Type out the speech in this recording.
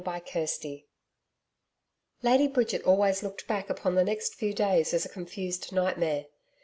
CHAPTER 6 Lady Bridget always looked back upon the next few days as a confused nightmare.